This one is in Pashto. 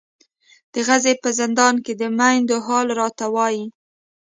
د غزې په زندان کې د میندو حال راته وایي.